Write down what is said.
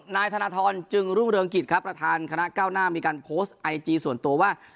นายธนทรจึงรุ่งเรืองกิจครับประธานคณะเก้าหน้ามีการโพสต์ไอจีส่วนตัวว่า